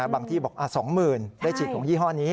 บางที่บอก๒๐๐๐ได้ฉีดของยี่ห้อนี้